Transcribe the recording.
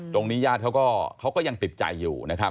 ตรงนี้ยาดเขาก็ยังติดใจอยู่